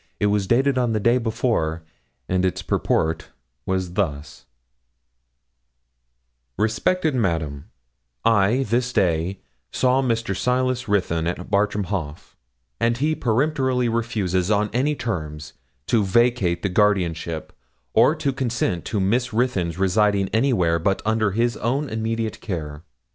It was dated on the day before, and its purport was thus: 'RESPECTED MADAM, I this day saw Mr. Silas Ruthyn at Bartram Haugh, and he peremptorily refuses, on any terms, to vacate the guardianship, or to consent to Miss Ruthyn's residing anywhere but under his own immediate care.